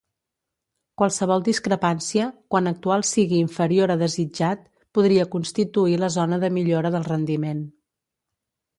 Qualsevol discrepància, quan Actual sigui inferior a Desitjat, podria constituir la zona de millora del rendiment.